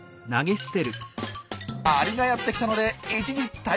アリがやって来たので一時退却。